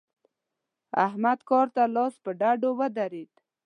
احمد کار ته لاس پر ډډو ودرېد.